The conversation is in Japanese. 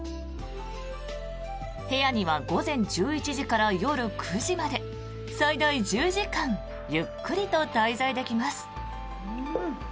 部屋には午前１１時から夜９時まで最大１０時間ゆっくりと滞在できます。